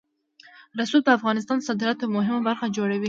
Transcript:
رسوب د افغانستان د صادراتو یوه مهمه برخه جوړوي.